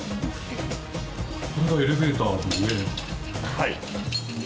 はい。